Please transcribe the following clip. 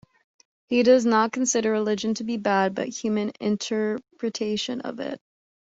He does not consider religion to be bad, but human interpretation of it.